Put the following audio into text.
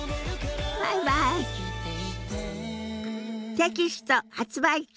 テキスト発売中。